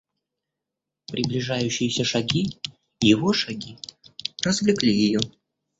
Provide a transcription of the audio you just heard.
Приближающиеся шаги, его шаги, развлекли ее.